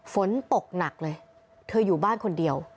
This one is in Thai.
ฝนตกหนักเลยเธออยู่บ้านคนเดียว